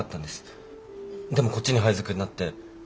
でもこっちに配属になって。